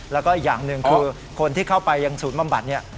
แล้วก็อีกอย่างหนึ่งคือคนที่เข้าไปยังศูนย์บำบัดเนี่ย